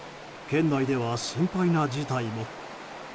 県内では心配な事態も。